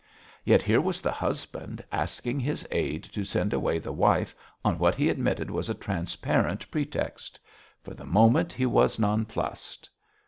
Yet here was the husband asking his aid to send away the wife on what he admitted was a transparent pretext. For the moment he was nonplussed.